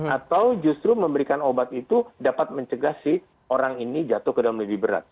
atau justru memberikan obat itu dapat mencegah si orang ini jatuh ke dalam lebih berat